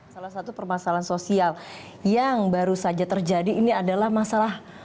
salah satu permasalahan sosial yang baru saja terjadi ini adalah masalah